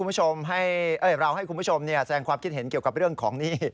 คุณผู้ชมเราให้คุณผู้ชมแสงความคิดเห็นเกี่ยวกับเรื่องของหนี้